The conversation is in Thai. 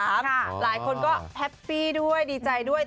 หลายคนก็แฮปปี้ด้วยดีใจด้วย